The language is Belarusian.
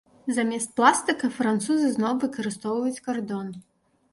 Замест пластыка французы зноў выкарыстоўваюць кардон.